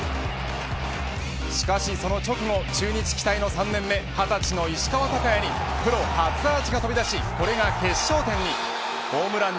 しかしその直後中日期待の３年目２０歳の石川昂弥にプロ初アーチが飛び出しこれが決勝点に。